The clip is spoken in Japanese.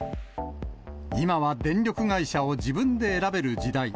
今は電力会社を自分で選べる時代。